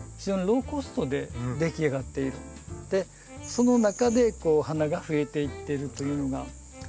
その中で花がふえていってるというような。